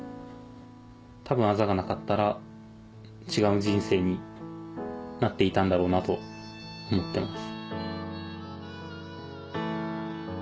多分あざがなかったら違う人生になっていたんだろうなと思ってます。